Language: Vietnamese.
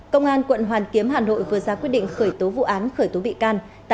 công an quận hoàn kiếm hà nội vừa ra quyết định khởi tố vụ án khởi tố bị can